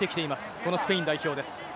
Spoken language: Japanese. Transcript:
このスペイン代表です。